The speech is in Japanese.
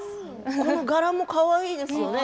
この柄もかわいいですよね